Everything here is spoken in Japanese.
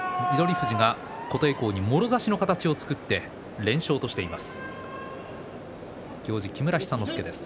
富士が琴恵光にもろ差しの形を作って連勝としています。